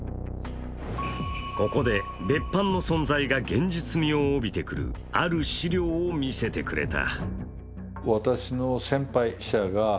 ここで別班の存在が現実味を帯びてくるある資料を見せてくれた。